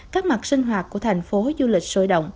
các mặt sinh hoạt của thành phố du lịch sôi động